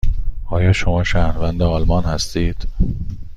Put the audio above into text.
آیا شما شهروند آلمان هستید؟